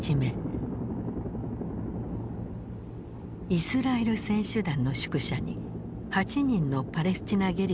イスラエル選手団の宿舎に８人のパレスチナ・ゲリラが侵入。